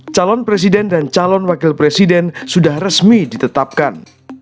calon presiden dan calon wakil presiden sudah resmi ditetapkan